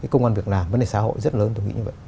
công an việc làm vấn đề xã hội rất lớn tôi nghĩ như vậy